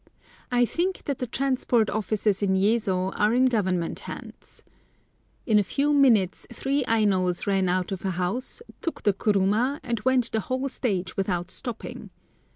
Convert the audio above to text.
I think that the Transport Offices in Yezo are in Government hands. In a few minutes three Ainos ran out of a house, took the kuruma, and went the whole stage without stopping.